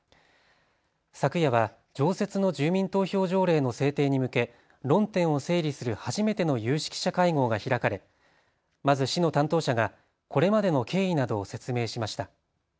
昨夜は常設の住民投票条例の制定に向け論点を整理する初めての有識者会合が開かれまず、市の担当者がこれまでの経緯などを説明しました。